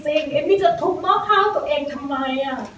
เอมมี่จะทุบหม้อข้าวตัวเองทำไม